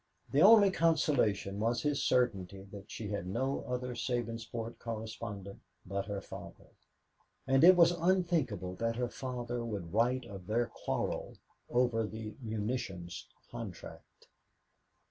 The only consolation was his certainty that she had no other Sabinsport correspondent but her father, and it was unthinkable that her father would write of their quarrel over the munitions contract.